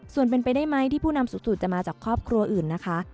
ส่วนเป็นไปได้ไหมที่ผู้นำสูงสุดจะมาจากครอบครัวอื่นนะคะ